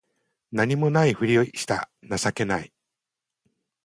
何も無いふりした情けない